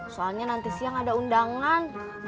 soalnya nanti siang ada undangan